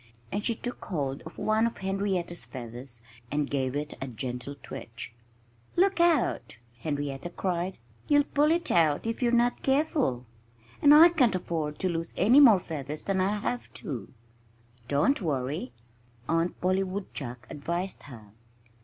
And she took hold of one of Henrietta's feathers and gave it a gentle twitch. "Look out!" Henrietta cried. "You'll pull it out if you're not careful. And I can't afford to lose any more feathers than I have to." "Don't worry!" Aunt Polly Woodchuck advised her.